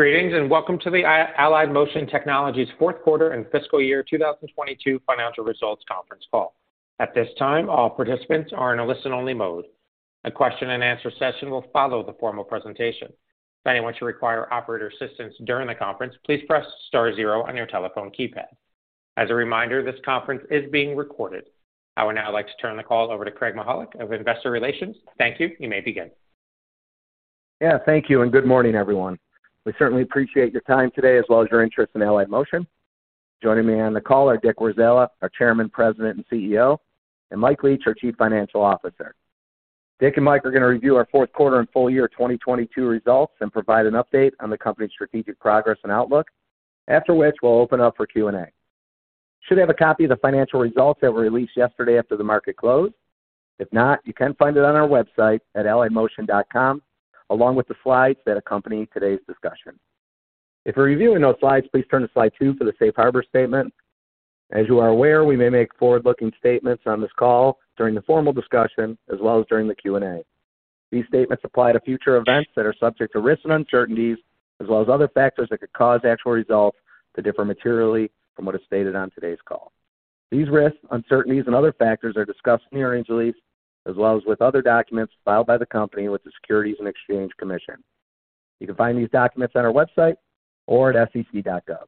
Greetings, and welcome to the Allied Motion Technologies fourth quarter and fiscal year 2022 financial results conference call. At this time, all participants are in a listen-only mode. A Q&A session will follow the formal presentation. If anyone should require operator assistance during the conference, please press star zero on your telephone keypad. As a reminder, this conference is being recorded. I would now like to turn the call over to Craig Mychajluk of Investor Relations. Thank you. You may begin. Thank you, and good morning, everyone. We certainly appreciate your time today as well as your interest in Allied Motion. Joining me on the call are Dick Warzala, our Chairman, President, and CEO, and Mike Leach, our Chief Financial Officer. Dick and Mike are gonna review our fourth quarter and full year 2022 results and provide an update on the company's strategic progress and outlook. After which, we'll open up for Q&A. You should have a copy of the financial results that were released yesterday after the market closed. If not, you can find it on our website at alliedmotion.com, along with the slides that accompany today's discussion. If we're reviewing those slides, please turn to slide 2 for the safe harbor statement. As you are aware, we may make forward-looking statements on this call during the formal discussion, as well as during the Q&A. These statements apply to future events that are subject to risks and uncertainties, as well as other factors that could cause actual results to differ materially from what is stated on today's call. These risks, uncertainties, and other factors are discussed in the earnings release, as well as with other documents filed by the company with the Securities and Exchange Commission. You can find these documents on our website or at sec.gov.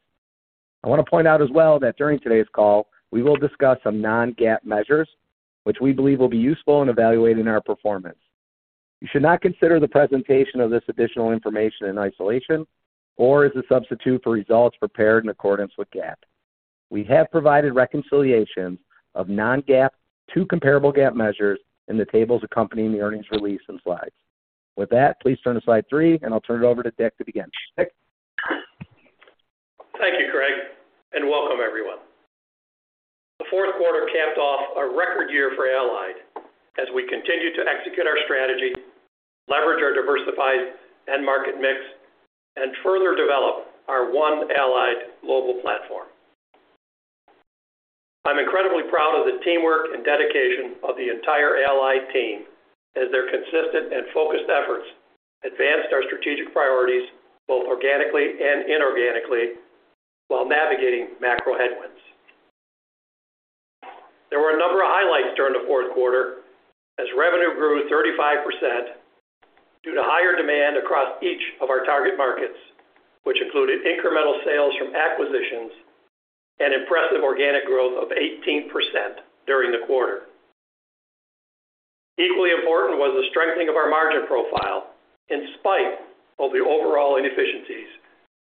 I wanna point out as well that during today's call, we will discuss some non-GAAP measures which we believe will be useful in evaluating our performance. You should not consider the presentation of this additional information in isolation or as a substitute for results prepared in accordance with GAAP. We have provided reconciliations of non-GAAP to comparable GAAP measures in the tables accompanying the earnings release and slides. With that, please turn to slide 3, and I'll turn it over to Dick to begin. Dick? Thank you, Craig, and welcome everyone. The fourth quarter capped off a record year for Allient as we continue to execute our strategy, leverage our diversified end market mix, and further develop our One Allient global platform. I'm incredibly proud of the teamwork and dedication of the entire Allient team as their consistent and focused efforts advanced our strategic priorities, both organically and inorganically, while navigating macro headwinds. There were a number of highlights during the fourth quarter as revenue grew 35% due to higher demand across each of our target markets, which included incremental sales from acquisitions and impressive organic growth of 18% during the quarter. Equally important was the strengthening of our margin profile in spite of the overall inefficiencies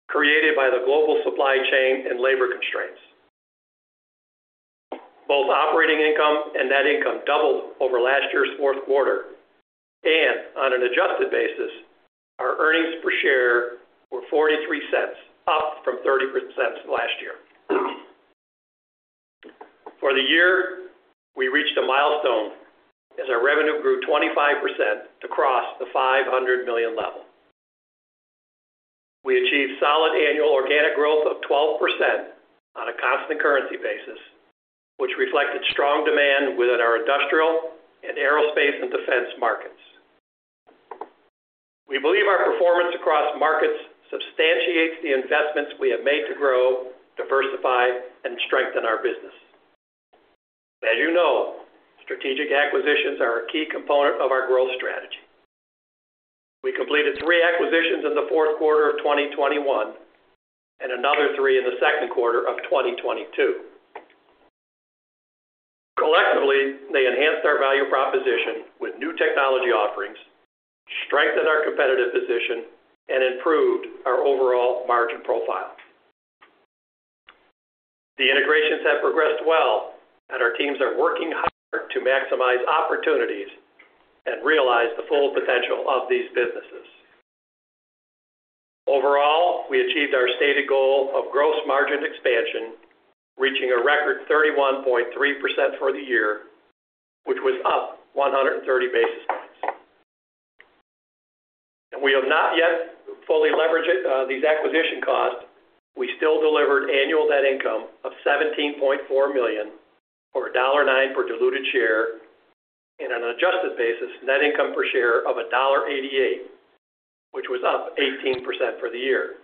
created by the global supply chain and labor constraints. Both operating income and net income doubled over last year's fourth quarter. On an adjusted basis, our earnings per share were $0.43, up from $0.30 last year. For the year, we reached a milestone as our revenue grew 25% to cross the $500 million level. We achieved solid annual organic growth of 12% on a constant currency basis, which reflected strong demand within our industrial and aerospace and defense markets. We believe our performance across markets substantiates the investments we have made to grow, diversify, and strengthen our business. As you know, strategic acquisitions are a key component of our growth strategy. We completed three acquisitions in fourth quarter 2021 and another three in second quarter 2022. Collectively, they enhanced our value proposition with new technology offerings, strengthened our competitive position, and improved our overall margin profile. The integrations have progressed well, and our teams are working hard to maximize opportunities and realize the full potential of these businesses. Overall, we achieved our stated goal of gross margin expansion, reaching a record 31.3% for the year, which was up 130 basis points. We have not yet fully leveraged these acquisition costs. We still delivered annual net income of $17.4 million or $1.09 per diluted share in an adjusted basis, net income per share of $1.88, which was up 18% for the year.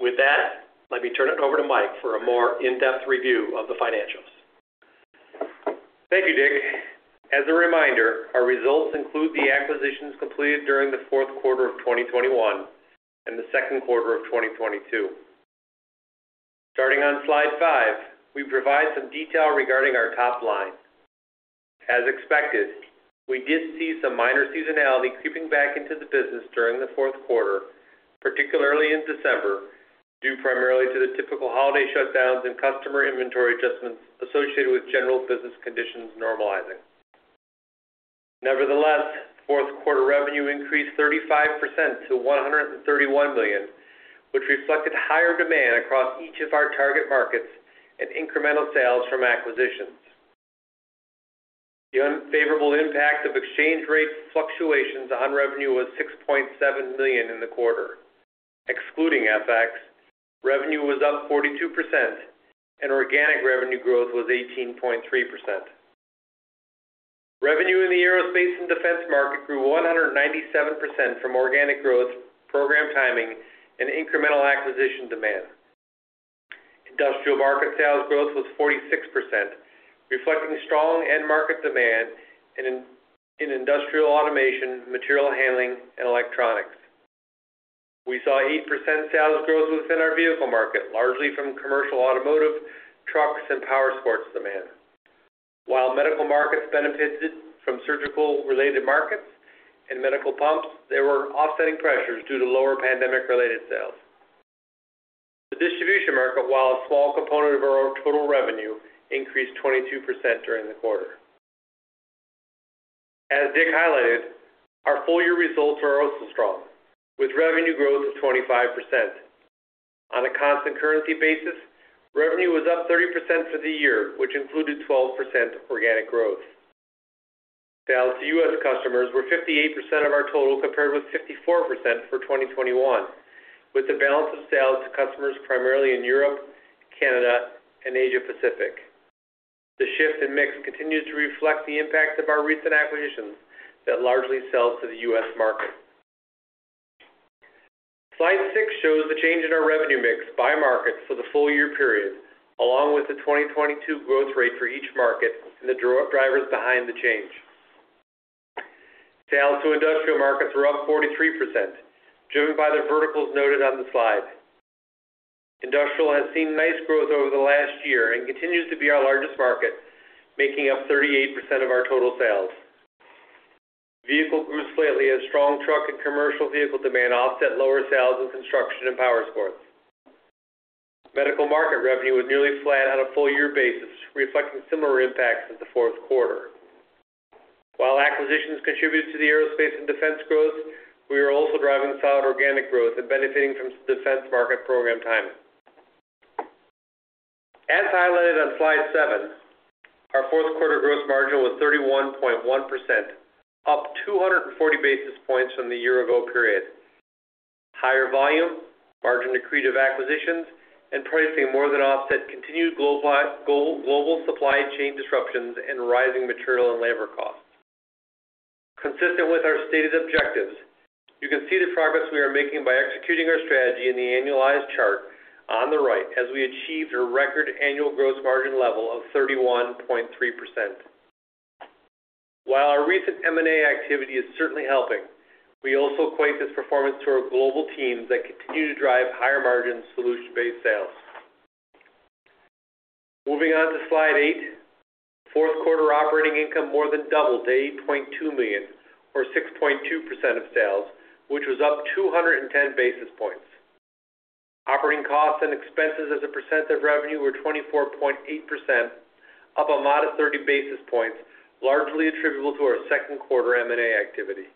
With that, let me turn it over to Mike for a more in-depth review of the financials. Thank you, Dick. As a reminder, our results include the acquisitions completed during the fourth quarter of 2021 and the second quarter of 2022. Starting on slide 5, we provide some detail regarding our top line. As expected, we did see some minor seasonality creeping back into the business during the fourth quarter, particularly in December, due primarily to the typical holiday shutdowns and customer inventory adjustments associated with general business conditions normalizing. Nevertheless, fourth quarter revenue increased 35% to $131 million, which reflected higher demand across each of our target markets and incremental sales from acquisitions. The unfavorable impact of exchange rate fluctuations on revenue was $6.7 million in the quarter. Excluding FX, revenue was up 42% and organic revenue growth was 18.3%. Revenue in the aerospace and defense market grew 197% from organic growth, program timing, and incremental acquisition demand. Industrial market sales growth was 46%, reflecting strong end market demand in industrial automation, material handling, and electronics. We saw 8% sales growth within our vehicle market, largely from commercial automotive, trucks, and power sports demand. While medical markets benefited from surgical-related markets and medical pumps, there were offsetting pressures due to lower pandemic-related sales. The distribution market, while a small component of our total revenue, increased 22% during the quarter. As Dick highlighted, our full-year results are also strong, with revenue growth of 25%. On a constant currency basis, revenue was up 30% for the year, which included 12% organic growth. Sales to US customers were 58% of our total, compared with 54% for 2021, with the balance of sales to customers primarily in Europe, Canada, and Asia Pacific. The shift in mix continues to reflect the impact of our recent acquisitions that largely sell to the US market. Slide 6 shows the change in our revenue mix by market for the full year period, along with the 2022 growth rate for each market and the drivers behind the change. Sales to industrial markets were up 43%, driven by the verticals noted on the slide. Industrial has seen nice growth over the last year and continues to be our largest market, making up 38% of our total sales. Vehicle groups slightly as strong truck and commercial vehicle demand offset lower sales in construction and powersports. Medical market revenue was nearly flat on a full year basis, reflecting similar impacts as the fourth quarter. While acquisitions contribute to the aerospace and defense growth, we are also driving solid organic growth and benefiting from defense market program timing. As highlighted on Slide 7, our fourth quarter gross margin was 31.1%, up 240 basis points from the year ago period. Higher volume, margin accretive acquisitions, and pricing more than offset continued global supply chain disruptions and rising material and labor costs. Consistent with our stated objectives, you can see the progress we are making by executing our strategy in the annualized chart on the right as we achieved a record annual gross margin level of 31.3%. While our recent M&A activity is certainly helping, we also equate this performance to our global teams that continue to drive higher margin solution-based sales. Moving on to Slide 8, fourth quarter operating income more than doubled to $8.2 million or 6.2% of sales, which was up 210 basis points. Operating costs and expenses as a percent of revenue were 24.8%, up a modest 30 basis points, largely attributable to our second quarter M&A activity.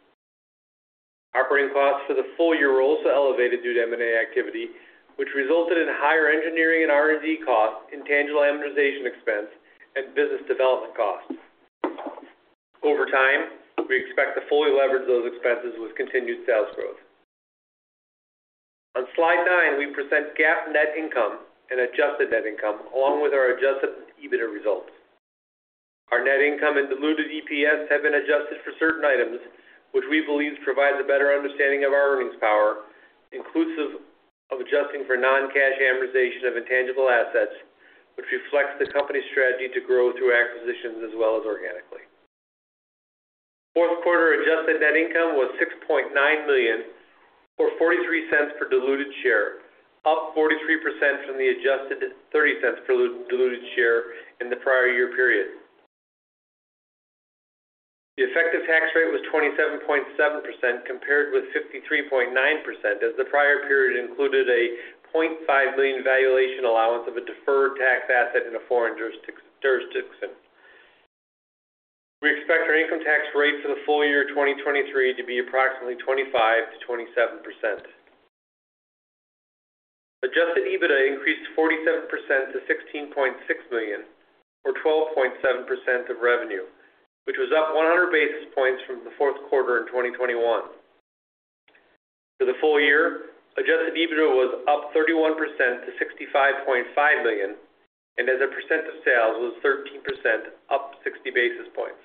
Operating costs for the full year were also elevated due to M&A activity, which resulted in higher engineering and R&D costs, intangible amortization expense, and business development costs. Over time, we expect to fully leverage those expenses with continued sales growth. On Slide 9, we present GAAP net income and adjusted net income, along with our adjusted EBITDA results. Our net income and diluted EPS have been adjusted for certain items, which we believe provides a better understanding of our earnings power, inclusive of adjusting for non-cash amortization of intangible assets, which reflects the company's strategy to grow through acquisitions as well as organically. Fourth quarter adjusted net income was $6.9 million, or $0.43 per diluted share, up 43% from the adjusted $0.30 per diluted share in the prior year period. The effective tax rate was 27.7% compared with 53.9% as the prior period included a $0.5 million valuation allowance of a deferred tax asset in a foreign jurisdiction. We expect our income tax rate for the full year 2023 to be approximately 25% to 27%. Adjusted EBITDA increased 47% to $16.6 million or 12.7% of revenue, which was up 100 basis points from the fourth quarter in 2021. For the full year, Adjusted EBITDA was up 31% to $65.5 million and as a percent of sales was 13% up 60 basis points.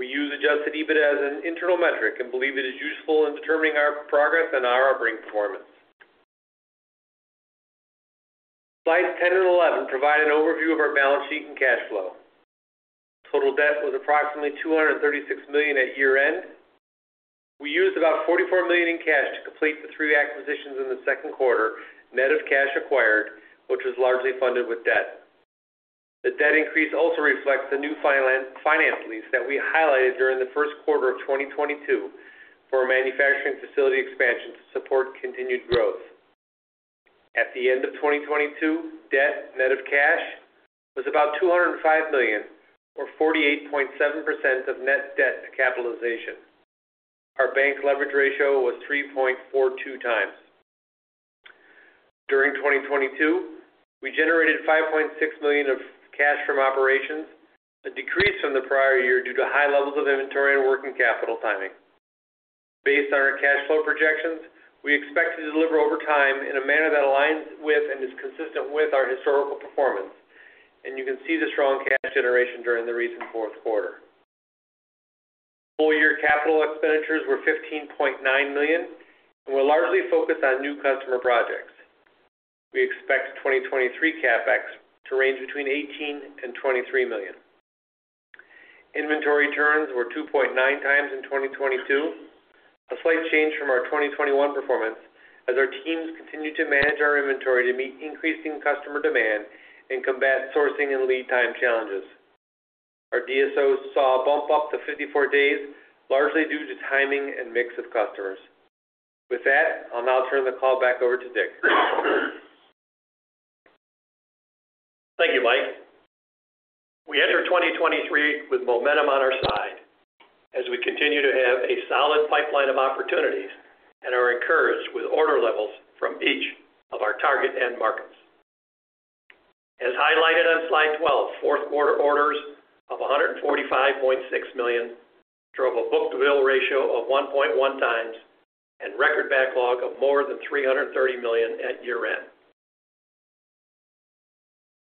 We use Adjusted EBITDA as an internal metric and believe it is useful in determining our progress and our operating performance. Slides 10 and 11 provide an overview of our balance sheet and cash flow. Total debt was approximately $236 million at year-end. We used about $44 million in cash to complete the 3 acquisitions in the second quarter, net of cash acquired, which was largely funded with debt. The debt increase also reflects the new finance lease that we highlighted during the first quarter of 2022 for manufacturing facility expansion to support continued growth. At the end of 2022, debt net of cash was about $205 million or 48.7% of net debt to capitalization. Our bank leverage ratio was 3.42x. During 2022, we generated $5.6 million of cash from operations, a decrease from the prior year due to high levels of inventory and working capital timing. Based on our cash flow projections, we expect to deliver over time in a manner that aligns with and is consistent with our historical performance. You can see the strong cash generation during the recent fourth quarter. Full year capital expenditures were $15.9 million and were largely focused on new customer projects. We expect 2023 CapEx to range between $18 million and $23 million. Inventory turns were 2.9 times in 2022, a slight change from our 2021 performance as our teams continued to manage our inventory to meet increasing customer demand and combat sourcing and lead time challenges. Our DSOs saw a bump up to 54 days, largely due to timing and mix of customers. With that, I'll now turn the call back over to Dick. Thank you, Mike. We enter 2023 with momentum on our side as we continue to have a solid pipeline of opportunities and are encouraged with order levels from each of our target end markets. As highlighted on slide 12, fourth quarter orders of $145.6 million drove a book-to-bill ratio of 1.1 times and record backlog of more than $330 million at year-end.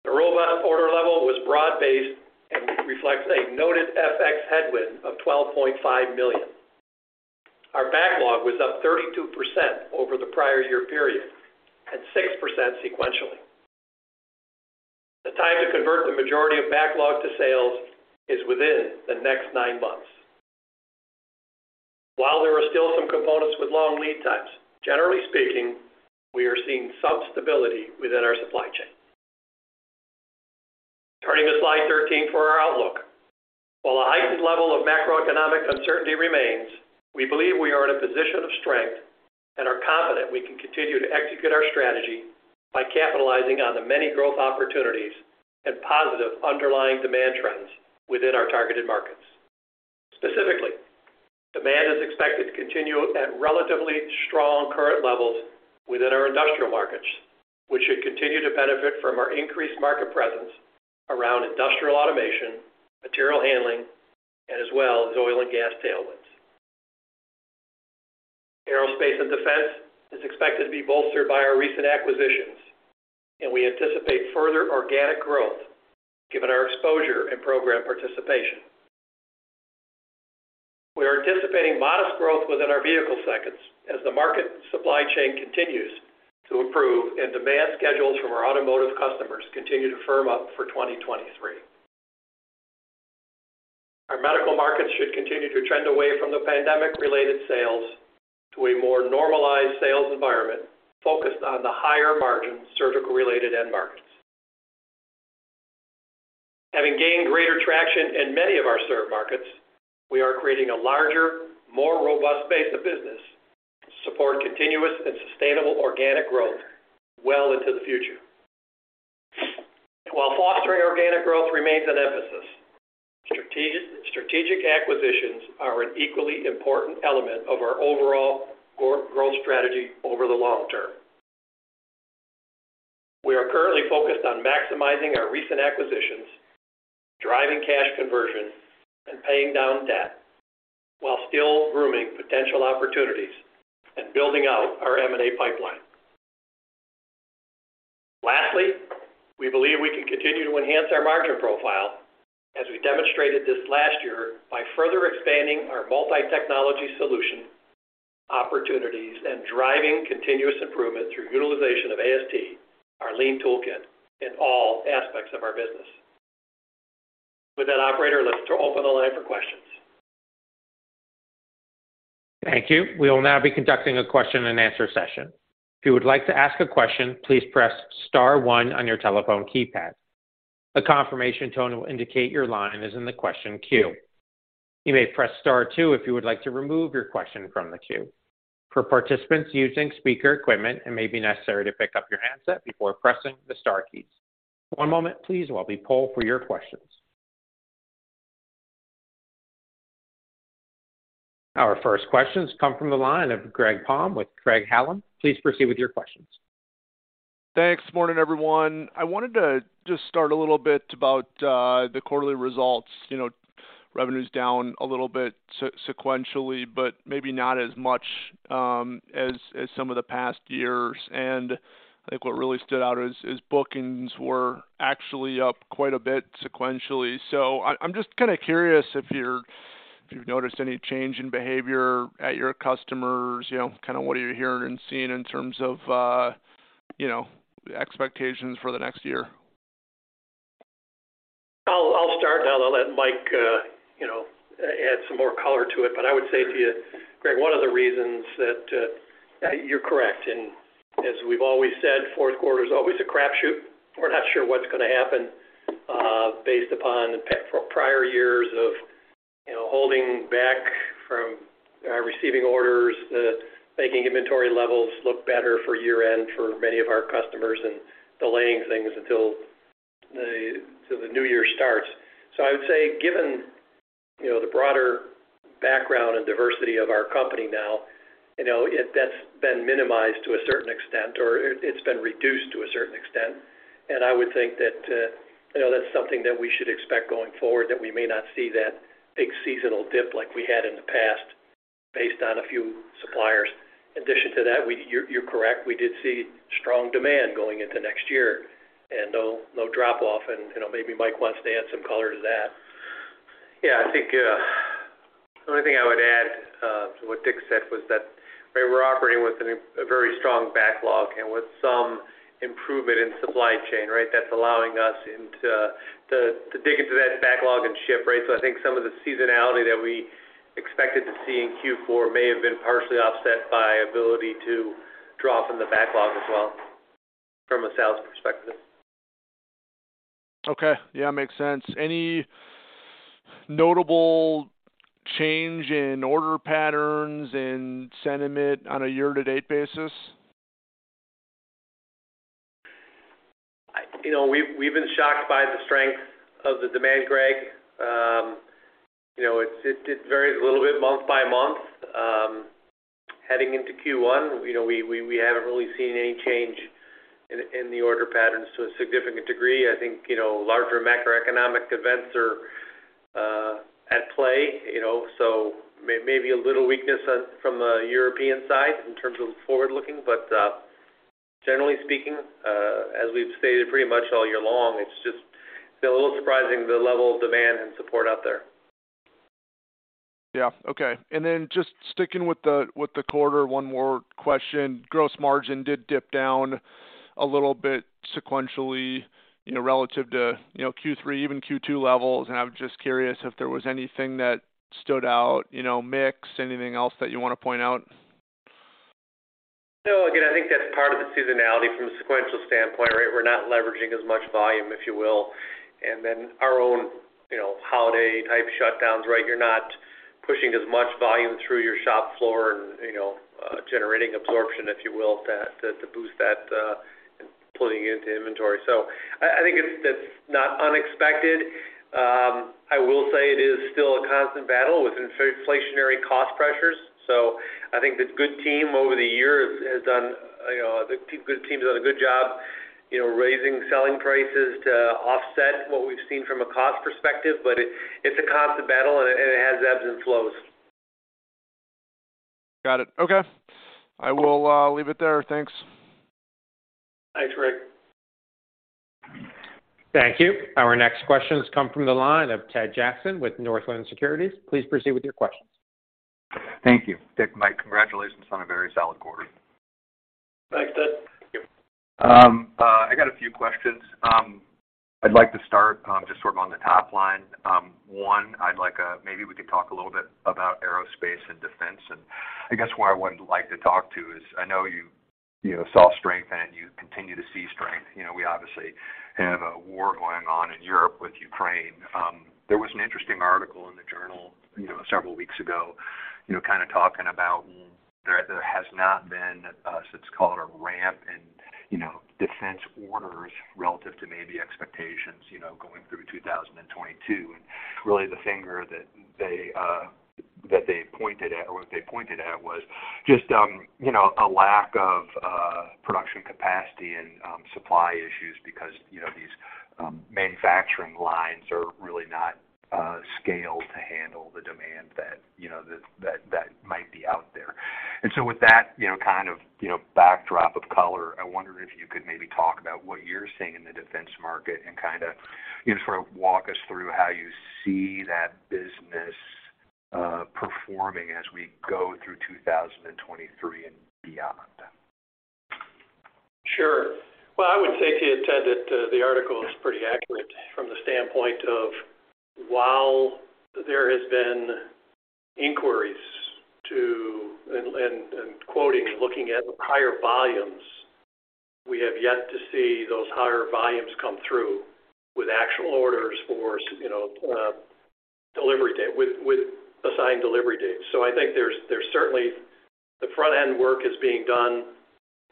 The robust order level was broad-based and reflects a noted FX headwind of $12.5 million. Our backlog was up 32% over the prior year period and 6% sequentially. The time to convert the majority of backlog to sales is within the next 9 months. While there are still some components with long lead times, generally speaking, we are seeing some stability within our supply chain. Turning to slide 13 for our outlook. While a heightened level of macroeconomic uncertainty remains, we believe we are in a position of strength and are confident we can continue to execute our strategy by capitalizing on the many growth opportunities and positive underlying demand trends within our targeted markets. Specifically, demand is expected to continue at relatively strong current levels within our industrial markets, which should continue to benefit from our increased market presence around industrial automation, material handling, and as well as oil and gas tailwinds. We anticipate further organic growth given our exposure and program participation. We are anticipating modest growth within our vehicle sectors as the market supply chain continues to improve and demand schedules from our automotive customers continue to firm up for 2023. Our medical markets should continue to trend away from the pandemic-related sales to a more normalized sales environment focused on the higher margin surgical-related end markets. Having gained greater traction in many of our served markets, we are creating a larger, more robust base of business to support continuous and sustainable organic growth well into the future. While fostering organic growth remains an emphasis, strategic acquisitions are an equally important element of our overall growth strategy over the long term. We are currently focused on maximizing our recent acquisitions, driving cash conversion, and paying down debt while still grooming potential opportunities and building out our M&A pipeline. Lastly, we believe we can continue to enhance our margin profile as we demonstrated this last year by further expanding our multi-technology solution opportunities and driving continuous improvement through utilization of AST, our lean toolkit in all aspects of our business. With that, operator, let's open the line for questions. Thank you. We will now be conducting a question and answer session. If you would like to ask a question, please press star 1 on your telephone keypad. A confirmation tone will indicate your line is in the question queue. You may press star 2 if you would like to remove your question from the queue. For participants using speaker equipment, it may be necessary to pick up your handset before pressing the star keys. One moment please while we poll for your questions. Our first questions come from the line of Greg Palm with Craig-Hallum. Please proceed with your questions. Thanks. Morning, everyone. I wanted to just start a little bit about the quarterly results. You know, revenue's down a little bit sequentially, but maybe not as much as some of the past years. I think what really stood out is bookings were actually up quite a bit sequentially. I'm just kind of curious if you've noticed any change in behavior at your customers. You know, kind of what are you hearing and seeing in terms of, you know, expectations for the next year? I'll start, and I'll let Mike, you know, add some more color to it. I would say to you, Greg, one of the reasons that you're correct. As we've always said, fourth quarter is always a crapshoot. We're not sure what's gonna happen, based upon the prior years of, you know, holding back from receiving orders, making inventory levels look better for year-end for many of our customers and delaying things until the new year starts. I would say, given, you know, the broader background and diversity of our company now. You know, that's been minimized to a certain extent, or it's been reduced to a certain extent. I would think that, you know, that's something that we should expect going forward, that we may not see that big seasonal dip like we had in the past based on a few suppliers. In addition to that, you're correct, we did see strong demand going into next year and no drop-off. You know, maybe Mike wants to add some caller to that. I think, the only thing I would add, to what Dick said was that we were operating with a very strong backlog and with some improvement in supply chain, right? That's allowing us to dig into that backlog and ship, right? I think some of the seasonality that we expected to see in Q4 may have been partially offset by ability to draw from the backlog as well, from a sales perspective. Okay. Makes sense. Any notable change in order patterns and sentiment on a year-to-date basis? We've been shocked by the strength of the demand, Greg. You know, it's, it did vary a little bit month by month. Heading into Q1, you know, we haven't really seen any change in the order patterns to a significant degree. I think, you know, larger macroeconomic events are at play, you know, so maybe a little weakness from the European side in terms of forward-looking. Generally speaking, as we've stated pretty much all year long, it's just been a little surprising the level of demand and support out there. Okay. Just sticking with the, with the quarter, one more question. Gross margin did dip down a little bit sequentially, you know, relative to, you know, Q3, even Q2 levels, and I'm just curious if there was anything that stood out. You know, mix, anything else that you wanna point out? No. Again, I think that's part of the seasonality from a sequential standpoint, right? We're not leveraging as much volume, if you will. Then our own, you know, holiday type shutdowns, right? You're not pushing as much volume through your shop floor and, you know, generating absorption, if you will, to boost that pulling into inventory. I think that's not unexpected. I will say it is still a constant battle with inflationary cost pressures. I think the good team's done a good job, you know, raising selling prices to offset what we've seen from a cost perspective. It's a constant battle and it has ebbs and flows. Got it. Okay. I will leave it there. Thanks. Thanks, Greg. Thank you. Our next question comes from the line of Ted Jackson with Northland Securities. Please proceed with your questions. Thank you. Dick, Mike, congratulations on a very solid quarter. Thanks, Ted. Thank you. I got a few questions. I'd like to start, just sort of on the top line. One, I'd like, maybe we could talk a little bit about aerospace and defense. I guess why I would like to talk to is I know you know, saw strength and you continue to see strength. You know, we obviously have a war going on in Europe with Ukraine. There was an interesting article in the journal, you know, several weeks ago, you know, kind of talking about there has not been, so to call it, a ramp in, you know, defense orders relative to maybe expectations, you know, going through 2022. Really the finger that they, that they pointed at or what they pointed at was just, you know, a lack of production capacity and supply issues because, you know, these manufacturing lines are really not scaled to handle the demand that, you know, that might be out there. So with that, backdrop of caller, I wonder if you could maybe talk about what you're seeing in the defense market and kind of, you know, sort of walk us through how you see that business performing as we go through 2023 and beyond. Sure. Well, I would say to you, Ted, that the article is pretty accurate from the standpoint of while there has been inquiries to and quoting and looking at higher volumes, we have yet to see those higher volumes come through with actual orders for you know, with assigned delivery dates. I think there's certainly the front-end work is being done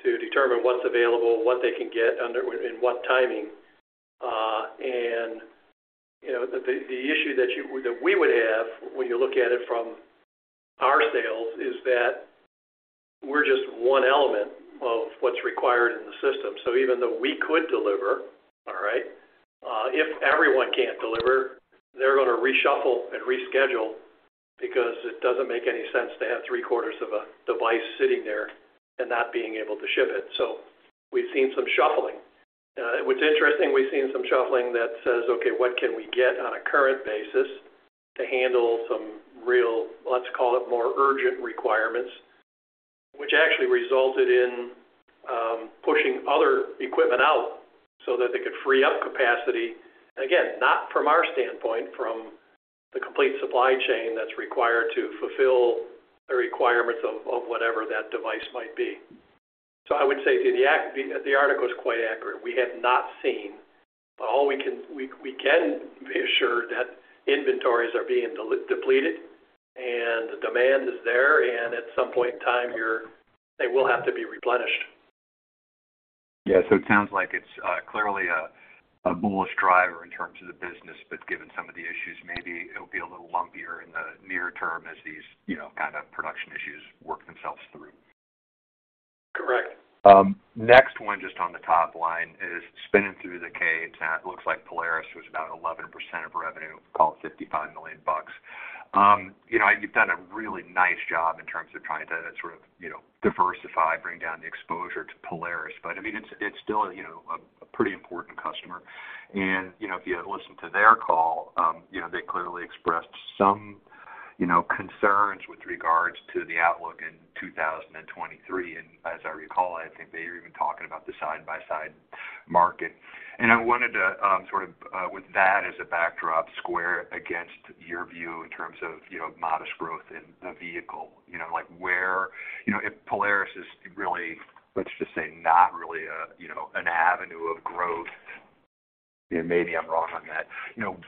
to determine what's available, what they can get in what timing. you know, the issue that we would have when you look at it from our sales is that we're just one element of what's required in the system. Even though we could deliver, all right, if everyone can't deliver, they're gonna reshuffle and reschedule because it doesn't make any sense to have three-quarters of a device sitting there and not being able to ship it. We've seen some shuffling. What's interesting, we've seen some shuffling that says, okay, what can we get on a current basis to handle some real, let's call it more urgent requirements, which actually resulted in pushing other equipment out so that they could free up capacity. Again, not from our standpoint, from the complete supply chain that's required to fulfill the requirements of whatever that device might be. I would say the article is quite accurate. We have not seen. All we can be assured that inventories are being depleted, and the demand is there, and at some point in time, they will have to be replenished. It sounds like it's clearly a bullish driver in terms of the business, but given some of the issues, maybe it'll be a little lumpier in the near term as these, you know, kind of production issues work themselves through. Correct. Next one just on the top line is spinning through the cadence. Now it looks like Polaris was about 11% of revenue, call it $55 million. You know, you've done a really nice job in terms of trying to sort of, you know, diversify, bring down the exposure to Polaris. I mean, it's still, you know, a pretty important customer. You know, if you listen to their call, you know, they clearly expressed some, you know, concerns with regards to the outlook in 2023. As I recall, I think they were even talking about the side-by-side market. I wanted to sort of, with that as a backdrop, square against your view in terms of, you know, modest growth in the vehicle. You know, like where. If Polaris is really, let's just say, not really a, an avenue of growth, and maybe I'm wrong on that,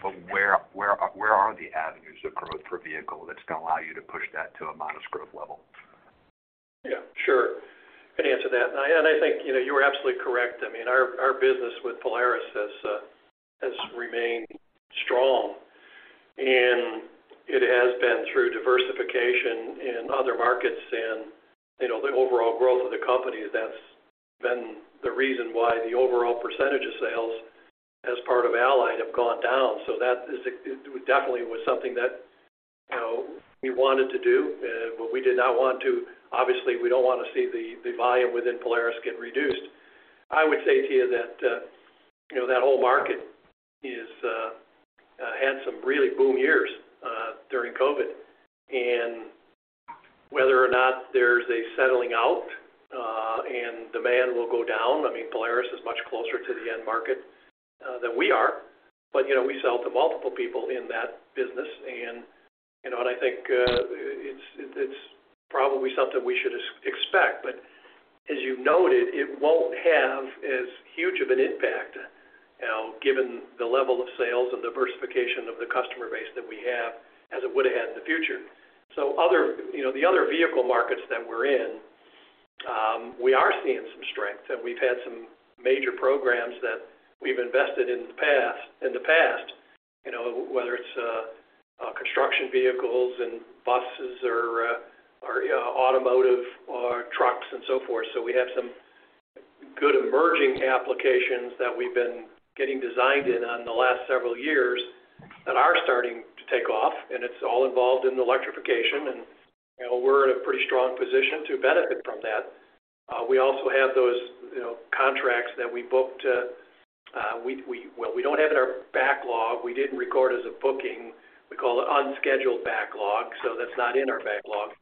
but where are the avenues of growth for vehicle that's gonna allow you to push that to a modest growth level? Sure. I can answer that. I think, you know, you were absolutely correct. I mean, our business with Polaris has remained strong, and it has been through diversification in other markets and, you know, the overall growth of the company. That's been the reason why the overall percentage of sales as part of Allient have gone down. That definitely was something that, you know, we wanted to do, but we did not want to. Obviously, we don't wanna see the volume within Polaris get reduced. I would say to you that, you know, that whole market is had some really boom years during COVID. Whether or not there's a settling out and demand will go down, I mean, Polaris is much closer to the end market than we are. We sell to multiple people in that business and, you know. I think it's probably something we should expect, but as you've noted, it won't have as huge of an impact, you know, given the level of sales and diversification of the customer base that we have as it would've had in the future. Other, you know, the other vehicle markets that we're in, we are seeing some strength, and we've had some major programs that we've invested in the past, you know, whether it's construction vehicles and buses or automotive or trucks and so forth. We have some good emerging applications that we've been getting designed in on the last several years that are starting to take off, and it's all involved in electrification, and, you know, we're in a pretty strong position to benefit from that. We also have those, you know, contracts that we booked. We don't have it in our backlog. We didn't record as a booking. We call it unscheduled backlog, so that's not in our backlog,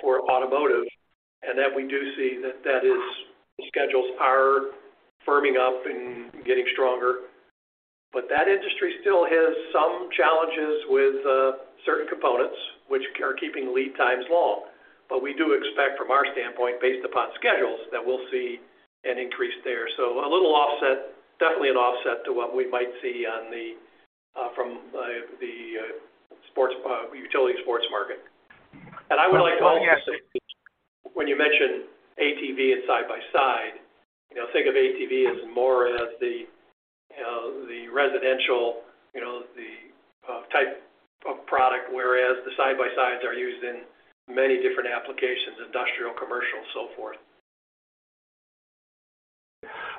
for automotive. That we do see that that is schedules are firming up and getting stronger. That industry still has some challenges with certain components which are keeping lead times long. We do expect from our standpoint, based upon schedules, that we'll see an increase there. A little offset, definitely an offset to what we might see on the from the sports utility sports market. I would like to also say, when you mention ATV and side-by-side, you know, think of ATV as more as the, you know, the residential, you know, the type of product, whereas the side-by-sides are used in many different applications, industrial, commercial, so forth.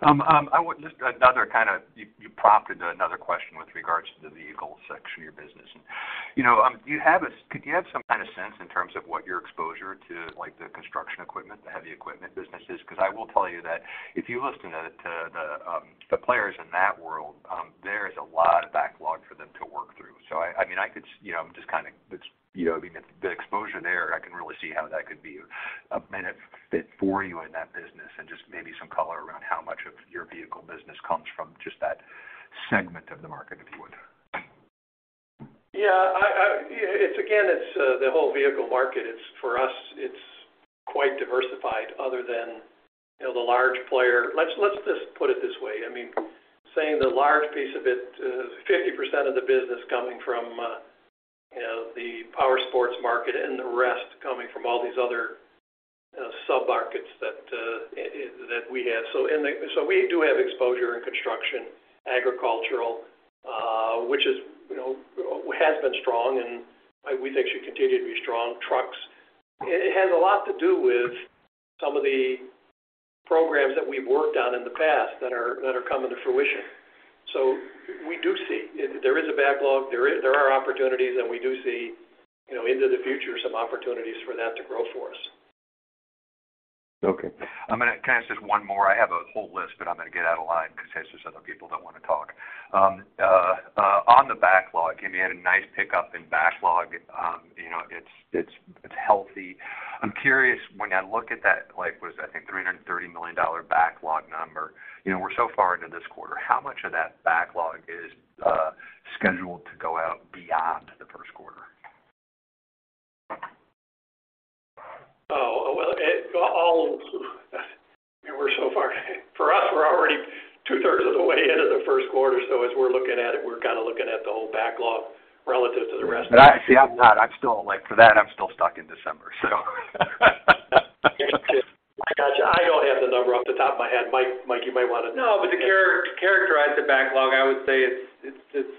I would just. Another kind of. You prompted another question with regards to the vehicle section of your business. Do you have some kind of sense in terms of what your exposure to like the construction equipment, the heavy equipment business is? 'Cause I will tell you that if you listen to the players in that world, there is a lot of backlog for them to work through. I mean, I could, you know, I'm just kinda, it's, you know, I mean, it's the exposure there, I can really see how that could be a benefit for you in that business and just maybe some color around how much of your vehicle business comes from just that segment of the market, if you would. It's again, it's the whole vehicle market. It's, for us, quite diversified other than, you know, the large player. Let's just put it this way. I mean, saying the large piece of it, 50% of the business coming from, you know, the powersports market and the rest coming from all these other sub-markets that we have. We do have exposure in construction, agricultural, which is, you know, has been strong, and we think should continue to be strong, trucks. It has a lot to do with some of the programs that we've worked on in the past that are coming to fruition. We do see. There is a backlog. There are opportunities, and we do see, you know, into the future, some opportunities for that to grow for us. Okay. I'm gonna ask just one more. I have a whole list, but I'm gonna get out of line 'cause there's just other people that wanna talk. on the backlog, I mean, you had a nice pickup in backlog. you know, it's, it's healthy. I'm curious, when I look at that, like was I think $330 million backlog number, you know, we're so far into this quarter, how much of that backlog is scheduled to go out beyond the first quarter? We're so far. For us, we're already two-thirds of the way into the first quarter. As we're looking at it, we're kind of looking at the whole backlog relative to the rest of it. See, I'm not. Like for that, I'm still stuck in December, so. I got you. I don't have the number off the top of my head. Mike, you might wanna. To characterize the backlog, I would say it's.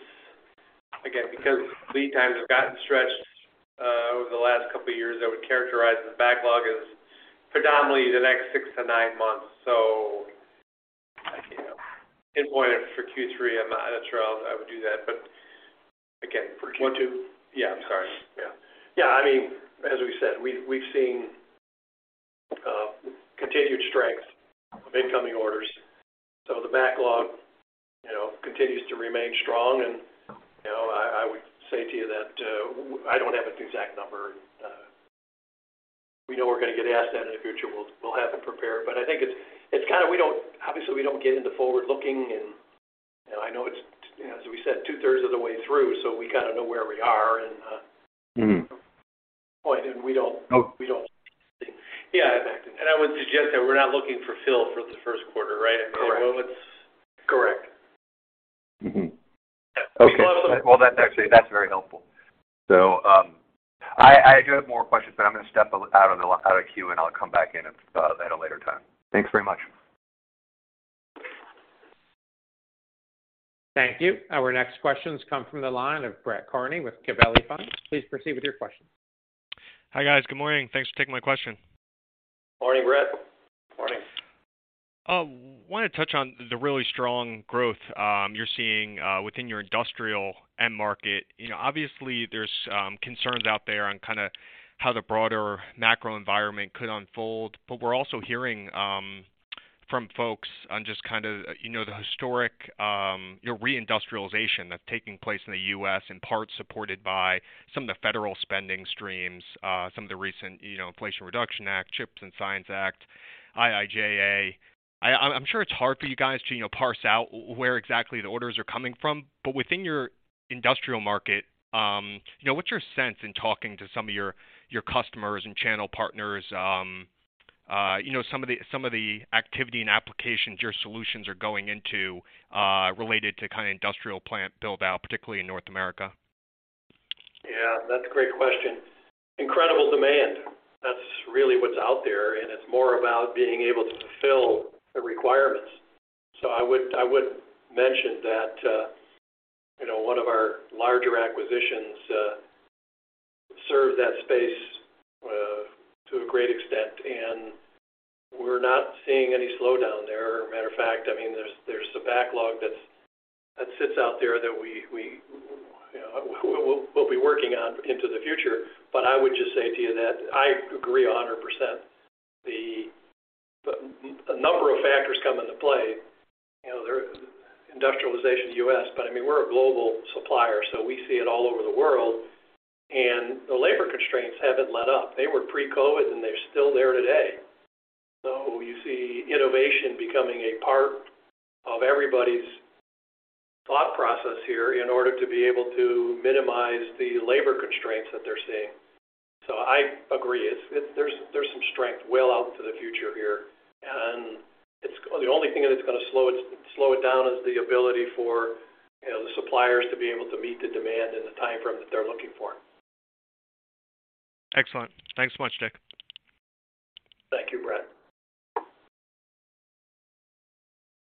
Again, because lead times have gotten stretched over the last couple of years, I would characterize the backlog as predominantly the next six to nine months. I can't pinpoint it for Q3. That's where else I would do that. Want to? I'm sorry. I mean, as we said, we've seen continued strength of incoming orders. The backlog, you know, continues to remain strong. I would say to you that I don't have an exact number. We know we're gonna get asked that in the future. We'll have it prepared. I think it's kinda we don't obviously get into forward-looking, and, you know, I know it's, you know, as we said, two-thirds of the way through, we kinda know where we are. We don't. I would suggest that we're not looking for fill for the first quarter, right? Correct. It's. Correct. Okay. Well, that's actually very helpful. I do have more questions, but I'm gonna step out of the out of queue, and I'll come back in at a later time. Thanks very much. Thank you. Our next questions come from the line of Brett Kearney with Gabelli Funds. Please proceed with your question. Hi, guys. Good morning. Thanks for taking my question. Morning, Brett. Morning. Wanna touch on the really strong growth, you're seeing, within your industrial end market. You know, obviously, there's concerns out there on kinda how the broader macro environment could unfold. We're also hearing from folks on just kind of, you know, the historic, you know, reindustrialization that's taking place in the U.S. in part supported by some of the federal spending streams, some of the recent, you know, Inflation Reduction Act, CHIPS and Science Act, IIJA. I'm sure it's hard for you guys to, you know, parse out where exactly the orders are coming from. Within your industrial market, what's your sense in talking to some of your customers and channel partners, some of the, some of the activity and applications your solutions are going into, related to kind of industrial plant build-out, particularly in North America? That's a great question. Incredible demand. That's really what's out there, and it's more about being able to fulfill the requirements. I would mention that, you know, one of our larger acquisitions serves that space to a great extent, and we're not seeing any slowdown there. Matter of fact, I mean, there's some backlog that sits out there that we, you know, we'll be working on into the future. I would just say to you that I agree 100%. A number of factors come into play. You know, industrialization U.S., but I mean, we're a global supplier, so we see it all over the world. The labor constraints haven't let up. They were pre-COVID, and they're still there today. You see innovation becoming a part of everybody's thought process here in order to be able to minimize the labor constraints that they're seeing. I agree. there's some strength well out into the future here. The only thing that's gonna slow it down is the ability for, you know, the suppliers to be able to meet the demand in the timeframe that they're looking for. Excellent. Thanks so much, Dick. Thank you, Brett.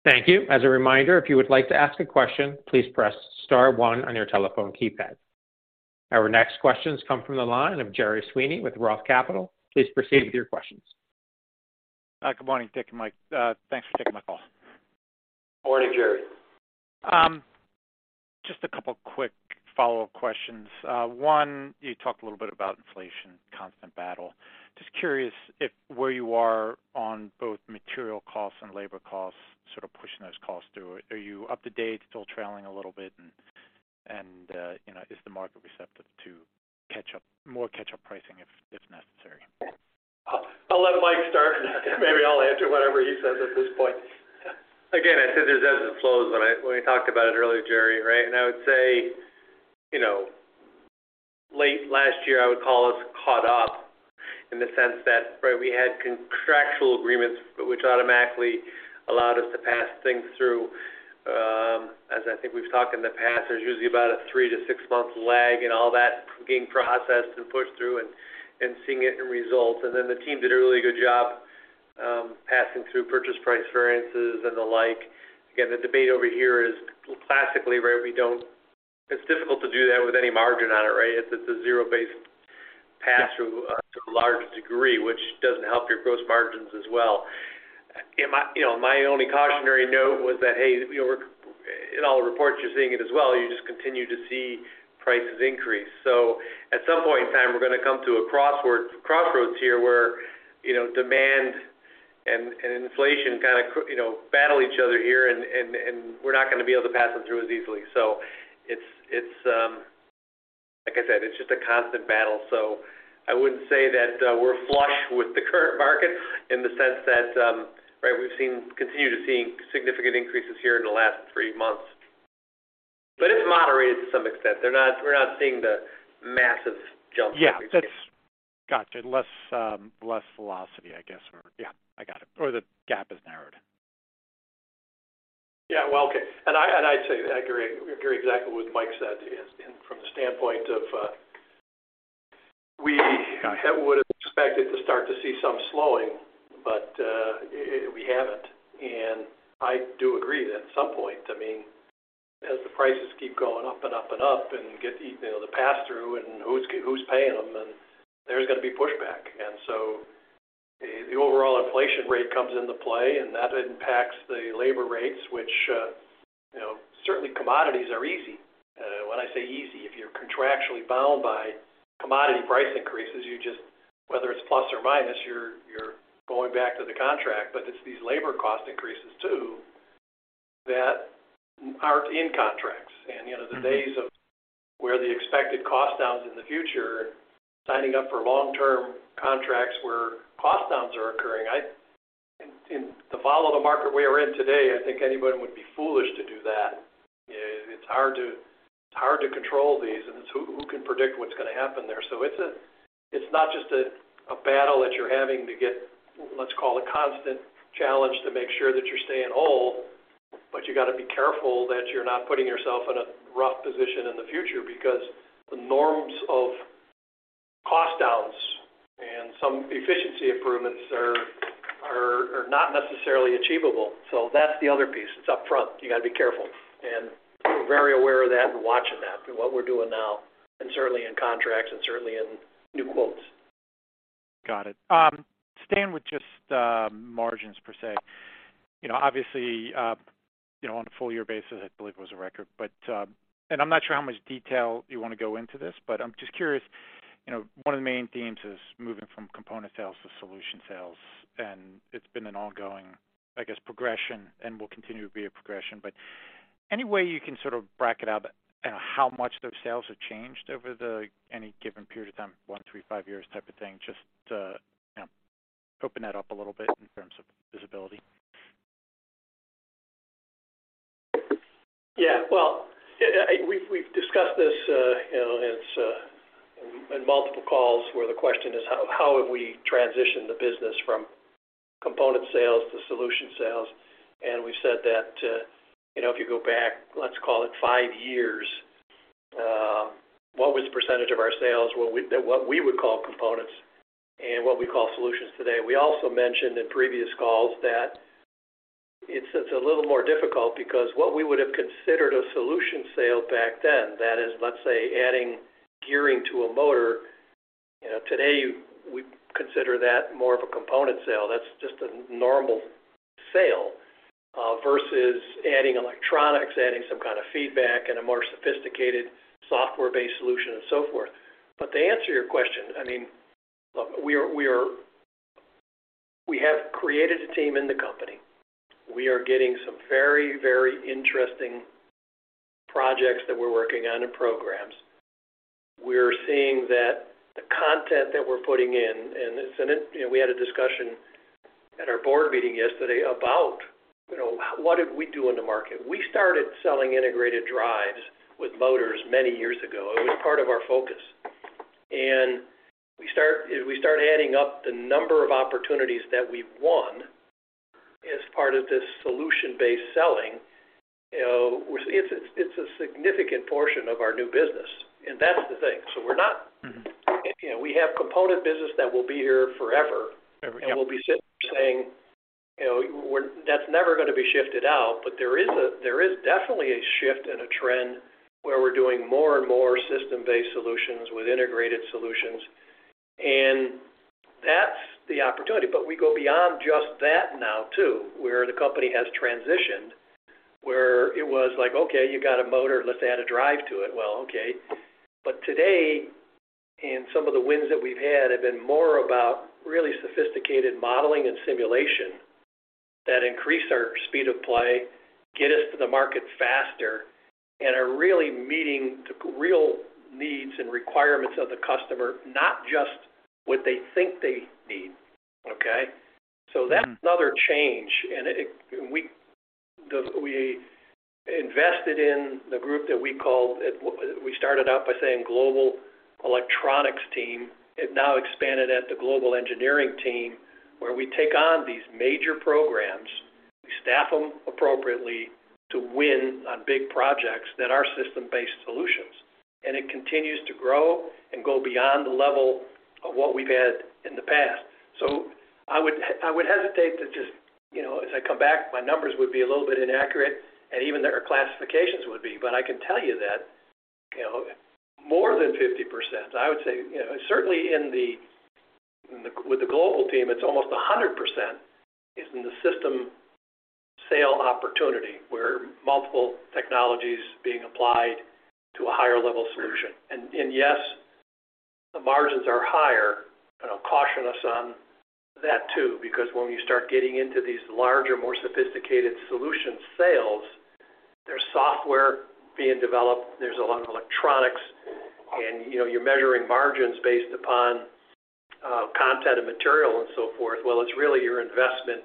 Thank you. As a reminder, if you would like to ask a question, please press star 1 on your telephone keypad. Our next questions come from the line of Gerry Sweeney with Roth Capital. Please proceed with your questions. Good morning, Dick and Mike. Thanks for taking my call. Morning, Gerry. Just a couple quick follow-up questions. One, you talked a little bit about inflation, constant battle. Just curious if where you are on both material costs and labor costs sort of pushing those costs through. Are you up to date, still trailing a little bit? You know, is the market receptive to more catch-up pricing if necessary? I'll let Mike start. Maybe I'll answer whatever he says at this point. I said there's ebbs and flows when we talked about it earlier, Gerry, right? I would say, you know, late last year, I would call us caught up in the sense that, right, we had contractual agreements which automatically allowed us to pass things through. As I think we've talked in the past, there's usually about a three to six month lag in all that being processed and pushed through and seeing it in results. Then the team did a really good job passing through purchase price variances and the like. The debate over here is classically, right, we don't. It's difficult to do that with any margin on it, right? It's a zero-based pass through to a large degree, which doesn't help your gross margins as well. My, you know, my only cautionary note was that, hey, you know, in all the reports, you're seeing it as well, you just continue to see prices increase. At some point in time, we're gonna come to a crossroads here where, you know, demand and inflation kinda, you know, battle each other here, and we're not gonna be able to pass them through as easily. It's, like I said, it's just a constant battle. I wouldn't say that, we're flush with the current market in the sense that, right, continue to seeing significant increases here in the last three months. It's moderated to some extent. We're not seeing the massive jump- That's. Gotcha. Less, less velocity, I guess, or. I got it. The gap has narrowed. Well, okay. I'd say I agree exactly what Mike said is, from the standpoint of, we would have expected to start to see some slowing, but we haven't. I do agree that at some point, I mean, as the prices keep going up and up and up and get you know, the pass-through, and who's paying them, and there's gonna be pushback. The, the overall inflation rate comes into play, and that impacts the labor rates, which, you know, certainly commodities are easy. When I say easy, if you're contractually bound by commodity price increases, you just. Whether it's plus or minus, you're going back to the contract. It's these labor cost increases, too, that aren't in contracts. The days of where the expected cost downs in the future, signing up for long-term contracts where cost downs are occurring, to follow the market we're in today, I think anybody would be foolish to do that. It's hard to control these, and who can predict what's gonna happen there. It's not just a battle that you're having to get, let's call a constant challenge to make sure that you're staying whole, but you gotta be careful that you're not putting yourself in a rough position in the future because the norms of cost downs and some efficiency improvements are not necessarily achievable. That's the other piece. It's upfront. You gotta be careful, and we're very aware of that. We're watching that, what we're doing now, and certainly in contracts and certainly in new quotes. Got it. Staying with just margins percent obviously, you know, on a full year basis, I believe it was a record. And I'm not sure how much detail you wanna go into this, but I'm just curious. You know, one of the main themes is moving from component sales to solution sales, and it's been an ongoing, I guess, progression and will continue to be a progression. Any way you can sort of bracket out how much those sales have changed over the any given period of time, 1, 3, 5 years type of thing? Just, you know, open that up a little bit in terms of visibility. We've discussed this, you know, it's in multiple calls where the question is how have we transitioned the business from component sales to solution sales? We've said that, you know, if you go back, let's call it five years, what was the percentage of our sales? Well, they're what we would call components and what we call solutions today. We also mentioned in previous calls that it's a little more difficult because what we would have considered a solution sale back then, that is, let's say, adding gearing to a motor, you know, today we'd consider that more of a component sale. That's just a normal sale versus adding electronics, adding some kind of feedback, and a more sophisticated software-based solution and so forth. To answer your question, I mean, look, we are. We have created a team in the company. We are getting some very, very interesting projects that we're working on and programs. We're seeing that the content that we're putting in, and this. You know, we had a discussion at our board meeting yesterday about, you know, what did we do in the market? We started selling integrated drives with motors many years ago. It was part of our focus. We start, as we start adding up the number of opportunities that we've won as part of this solution-based selling, you know, it's a significant portion of our new business, and that's the thing. We're not. You know, we have component business that will be here forever. There we go. We'll be sitting here saying, you know, That's never gonna be shifted out. There is a, there is definitely a shift and a trend where we're doing more and more system-based solutions with integrated solutions, and that's the opportunity. We go beyond just that now, too, where the company has transitioned, where it was like, okay, you got a motor, let's add a drive to it. Well, okay. Today, and some of the wins that we've had have been more about really sophisticated modeling and simulation that increase our speed of play, get us to the market faster, and are really meeting the real needs and requirements of the customer, not just what they think they need. Okay? That's another change. It. We invested in the group that we called it we started out by saying Global Electronics Team. It now expanded at the Global Engineering Team, where we take on these major programs. We staff them appropriately to win on big projects that are system-based solutions, and it continues to grow and go beyond the level of what we've had in the past. I would hesitate to just, you know, as I come back, my numbers would be a little bit inaccurate, and even their classifications would be. I can tell you that, you know, more than 50%, I would say, you know, certainly in the, with the global team, it's almost 100% is in the system sale opportunity, where multiple technologies being applied to a higher level solution. Yes, the margins are higher, I'll caution us on that, too, because when you start getting into these larger, more sophisticated solution sales, there's software being developed, there's a lot of electronics, and, you know, you're measuring margins based upon content of material and so forth. It's really your investment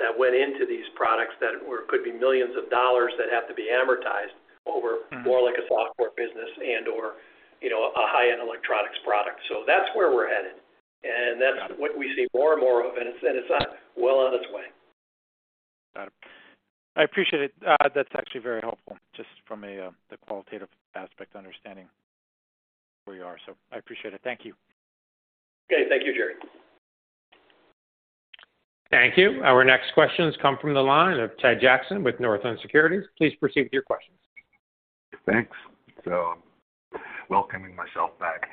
that went into these products that could be millions of dollars that have to be amortized over more like a software business and or, you know, a high-end electronics product. That's where we're headed, and that's what we see more and more of, and it's well on its way. Got it. I appreciate it. That's actually very helpful just from a, the qualitative aspect, understanding where you are. I appreciate it. Thank you. Okay. Thank you, Gerry. Thank you. Our next questions come from the line of Ted Jackson with Northland Securities. Please proceed with your questions. Thanks. Welcoming myself back.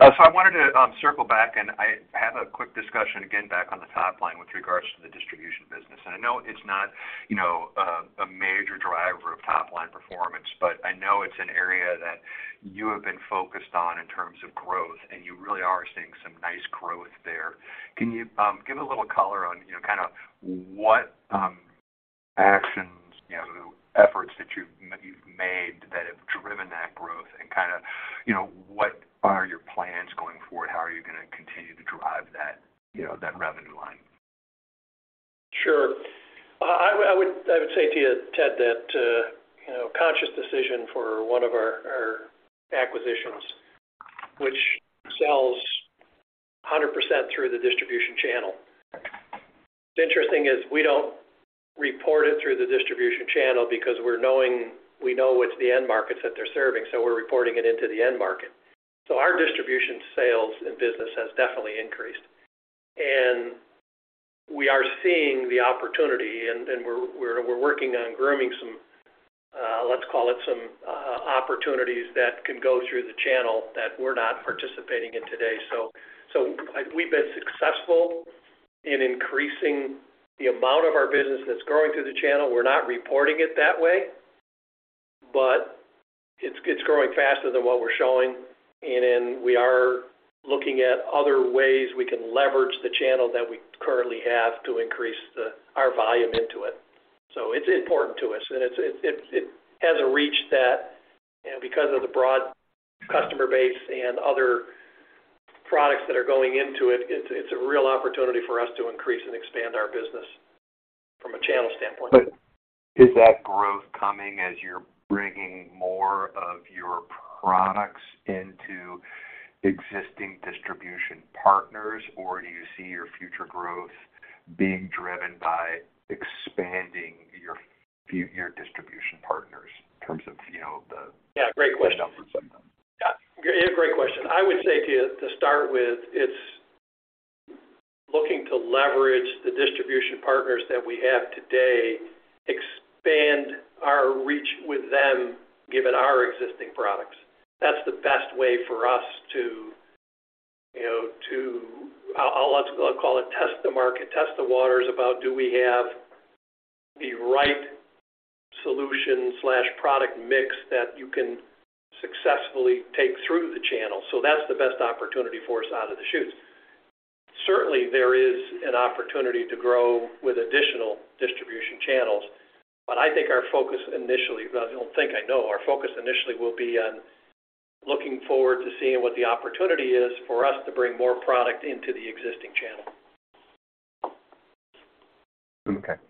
I wanted to circle back, and I have a quick discussion again back on the top-line with regards to the distribution business. I know it's not, you know, a major driver of top-line performance, but I know it's an area that you have been focused on in terms of growth, and you really are seeing some nice growth there. Can you give a little color on, you know, kind of what actions, you know, efforts that you've made that have driven that growth and kind of, you know, what are your plans going forward? How are you going to continue to drive that, you know, that revenue line? Sure. I would say to you, Ted, that, you know, conscious decision for one of our acquisitions, which sells 100% through the distribution channel. What's interesting is we don't report it through the distribution channel because we know it's the end markets that they're serving, so we're reporting it into the end market. Our distribution sales and business has definitely increased. We are seeing the opportunity, and we're working on grooming some, let's call it some, opportunities that can go through the channel that we're not participating in today. We've been successful in increasing the amount of our business that's growing through the channel. We're not reporting it that way, but it's growing faster than what we're showing. We are looking at other ways we can leverage the channel that we currently have to increase our volume into it. It's important to us, and it hasn't reached that. Because of the broad customer base and other products that are going into it's a real opportunity for us to increase and expand our business from a channel standpoint. Is that growth coming as you're bringing more of your products into existing distribution partners, or do you see your future growth being driven by expanding your your distribution partners in terms of, you know? Great question. down the road? Great question. I would say to you, to start with, it's looking to leverage the distribution partners that we have today, expand our reach with them, given our existing products. That's the best way for us to, you know, to I'll let's call it test the market, test the waters about do we have the right solution/product mix that you can successfully take through the channel. That's the best opportunity for us out of the shoots. Certainly, there is an opportunity to grow with additional distribution channels, I think our focus initially, well, I don't think I know, our focus initially will be on looking forward to seeing what the opportunity is for us to bring more product into the existing channel. Okay.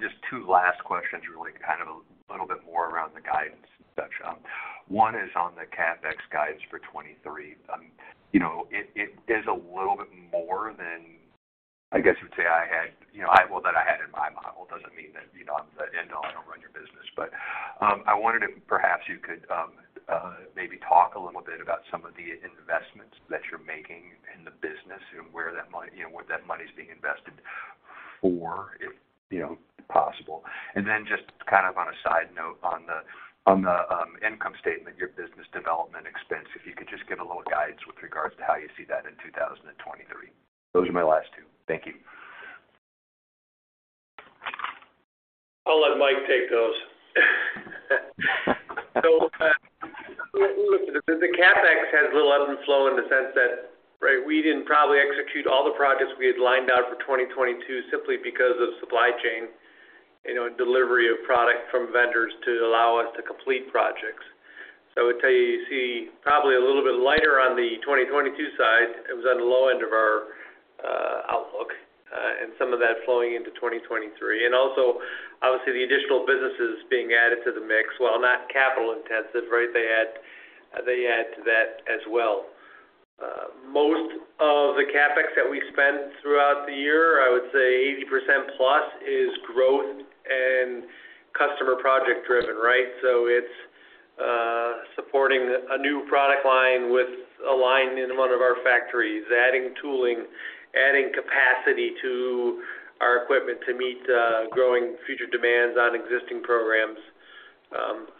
Just two last questions, really kind of a little bit more around the guidance and such. One is on the CapEx guidance for 2023. You know, it is a little bit more than, I guess, you'd say I had, you know, well, that I had in my model. Doesn't mean that, you know, I'm the end all. I don't run your business. I wondered if perhaps you could maybe talk a little bit about some of the investments that you're making in the business and where that money, you know, where that money's being invested for if, you know, possible. Just kind of on a side note on the, on the income statement, your business development expense, if you could just give a little guidance with regards to how you see that in 2023. Those are my last two. Thank you. I'll let Mike take those. Look, the CapEx has a little ebb and flow in the sense that, right, we didn't probably execute all the projects we had lined out for 2022 simply because of supply chain, you know, delivery of product from vendors to allow us to complete projects. I would tell you see probably a little bit lighter on the 2022 side. It was on the low end of our outlook, and some of that flowing into 2023. obviously, the additional businesses being added to the mix, while not capital intensive, right, they add to that as well. Most of the CapEx that we spent throughout the year, I would say 80% plus is growth and customer project driven, right? It's supporting a new product line with a line in one of our factories, adding tooling, adding capacity to our equipment to meet growing future demands on existing programs.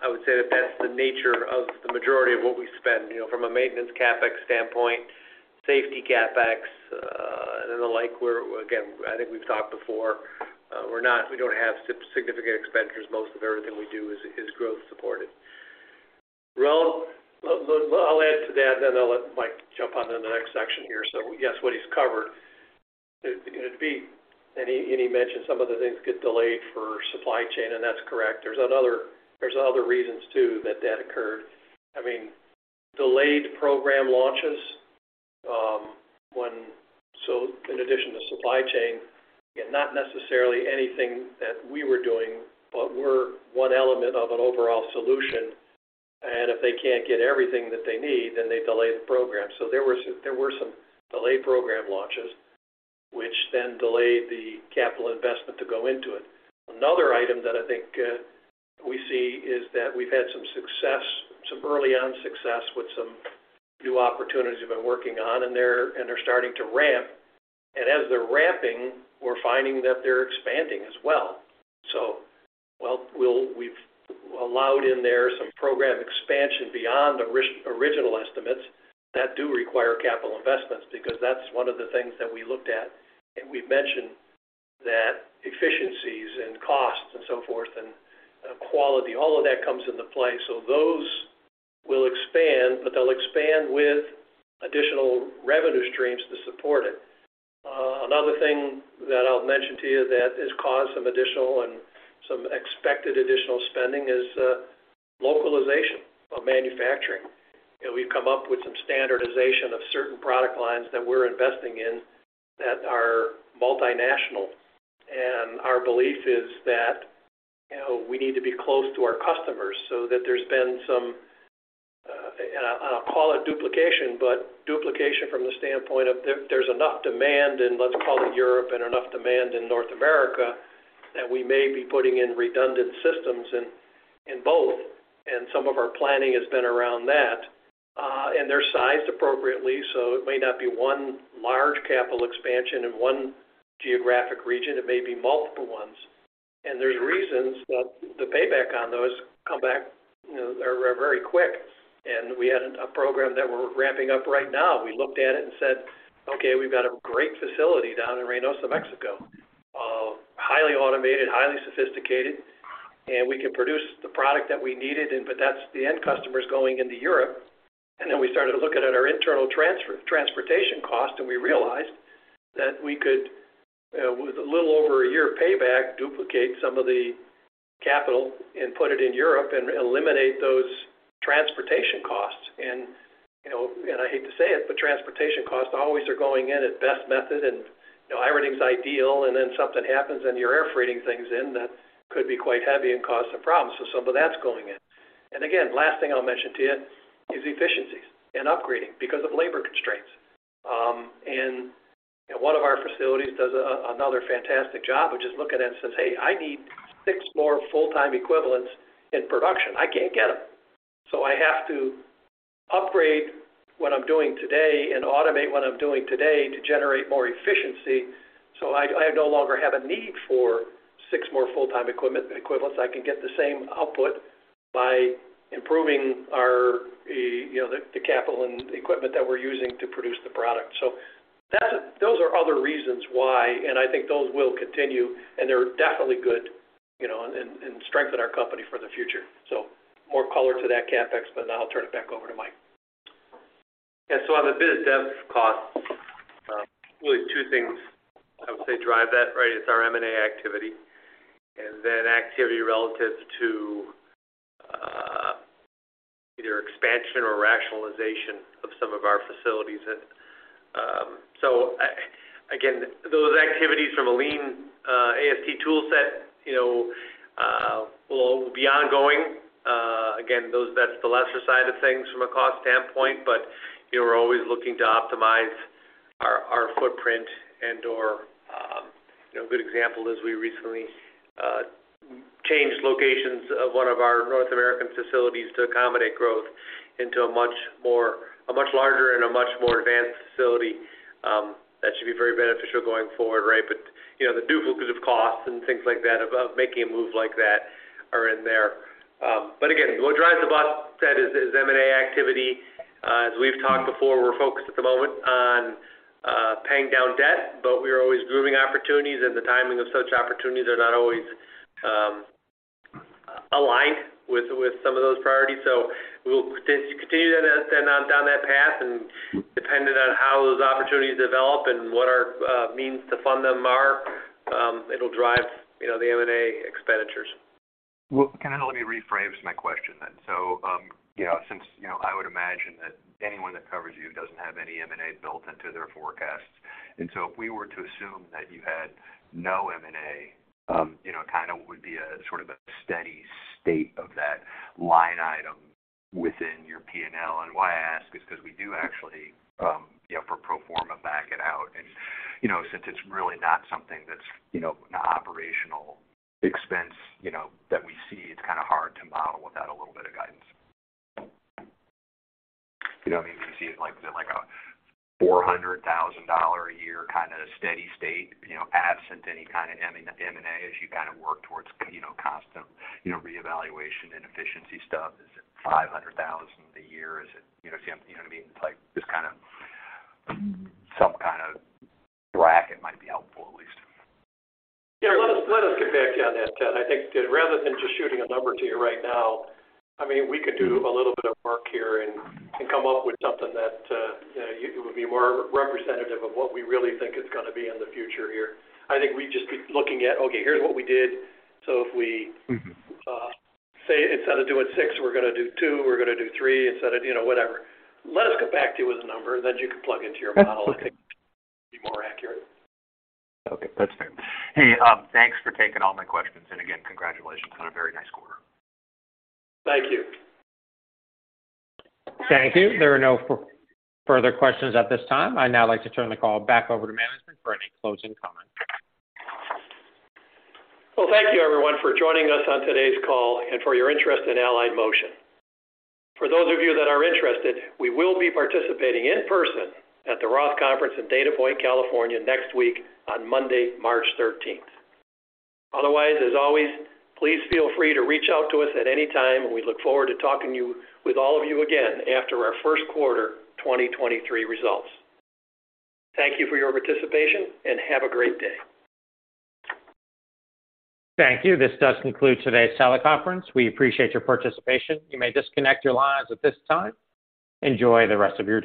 I would say that that's the nature of the majority of what we spend. You know, from a maintenance CapEx standpoint, safety CapEx, and the like, again, I think we've talked before, we don't have significant expenditures. Most of everything we do is growth supported. Well, I'll add to that, then I'll let Mike jump onto the next section here. Yes, what he's covered. It could be. And he mentioned some of the things get delayed for supply chain, and that's correct. There's other reasons too that that occurred. I mean, delayed program launches, when. In addition to supply chain, and not necessarily anything that we were doing, but we're one element of an overall solution. If they can't get everything that they need, then they delay the program. There were some delayed program launches which then delayed the capital investment to go into it. Another item that I think, we see is that we've had some success, some early on success with some new opportunities we've been working on, and they're starting to ramp. As they're ramping, we're finding that they're expanding as well. Well, we've allowed in there some program expansion beyond the original estimates that do require capital investments, because that's one of the things that we looked at. We've mentioned that efficiencies and costs and so forth and, quality, all of that comes into play. Those will expand, but they'll expand with additional revenue streams to support it. Another thing that I'll mention to you that has caused some additional and some expected additional spending is localization of manufacturing. You know, we've come up with some standardization of certain product lines that we're investing in that are multinational. Our belief is that, you know, we need to be close to our customers so that there's been some, and I'll call it duplication, but duplication from the standpoint of there's enough demand in, let's call it Europe, and enough demand in North America that we may be putting in redundant systems in both. Some of our planning has been around that. They're sized appropriately, so it may not be one large capital expansion in one geographic region. It may be multiple ones. There's reasons that the payback on those come back, you know, are very quick. We had a program that we're ramping up right now. We looked at it and said, "Okay, we've got a great facility down in Reynosa, Mexico. Highly automated, highly sophisticated, and we can produce the product that we needed, but that's the end customers going into Europe." Then we started to look at our internal transportation cost, and we realized that we could, with a little over a 1 year payback, duplicate some of the capital and put it in Europe and eliminate those transportation costs. You know, I hate to say it, but transportation costs always are going in at best method, and, you know, everything's ideal, and then something happens, and you're air freighting things in that could be quite heavy and cause some problems. Some of that's going in. Again, last thing I'll mention to you is efficiencies and upgrading because of labor constraints. You know, one of our facilities does another fantastic job of just looking at it and says, "Hey, I need six more full-time equivalents in production. I can't get them. I have to upgrade what I'm doing today and automate what I'm doing today to generate more efficiency, so I no longer have a need for six more full-time equivalents. I can get the same output by improving our, you know, the capital and equipment that we're using to produce the product." Those are other reasons why, and I think those will continue, and they're definitely good, you know, and strengthen our company for the future. more caller to that CapEx, but I'll turn it back over to Mike. On the biz dev costs, really two things I would say drive that, right? It's our M&A activity and then activity relative to either expansion or rationalization of some of our facilities. Again, those activities from a lean AST tool set, you know, will be ongoing. Again, that's the lesser side of things from a cost standpoint, but, you know, we're always looking to optimize our footprint and/or, you know. A good example is we recently changed locations of one of our North American facilities to accommodate growth into a much larger and a much more advanced facility that should be very beneficial going forward, right? You know, the duplicative costs and things like that of making a move like that are in there. Again, what drives the bus, Ted, is M&A activity. As we've talked before, we're focused at the moment on paying down debt, but we are always grooming opportunities and the timing of such opportunities are not always aligned with some of those priorities. We'll continue down that path and depending on how those opportunities develop and what our means to fund them are, it'll drive, you know, the M&A expenditures. Kind of let me rephrase my question then. You know, since, you know, I would imagine that anyone that covers you doesn't have any M&A built into their forecasts. If we were to assume that you had no M&A, you know, kind of would be a sort of a steady state of that line item within your P&L. Why I ask is 'cause we do actually, you know, for pro forma back it out. You know, since it's really not something that's, you know, an operational expense, you know, that we see, it's kind of hard to model without a little bit of guidance. You know what I mean? We see it like, is it like a $400,000 a year kind of steady state, you know, absent any kind of M&A as you kind of work towards, you know, cost of, you know, reevaluation and efficiency stuff? Is it $500,000 a year? Is it, you know, see what I mean? It's like this kind of some kind of bracket might be helpful at least. Let us get back to you on that, Ted. I think rather than just shooting a number to you right now, I mean, we can do a little bit of work here and come up with something that, you know, would be more representative of what we really think is gonna be in the future here. I think we'd just be looking at, okay, here's what we did. Say instead of doing 6, we're gonna do 2, we're gonna do 3 instead of, you know, whatever. Let us get back to you with a number that you can plug into your model. That's okay. I think it'll be more accurate. Okay. That's fair. Hey, thanks for taking all my questions. Again, congratulations on a very nice quarter. Thank you. Thank you. There are no further questions at this time. I'd now like to turn the call back over to management for any closing comments. Well, thank you everyone for joining us on today's call and for your interest in Allied Motion. For those of you that are interested, we will be participating in person at the Roth Conference in Dana Point, California next week on Monday, March 13th. Otherwise, as always, please feel free to reach out to us at any time, and we look forward to talking with all of you again after our first quarter 2023 results. Thank you for your participation, and have a great day. Thank you. This does conclude today's teleconference. We appreciate your participation. You may disconnect your lines at this time. Enjoy the rest of your day.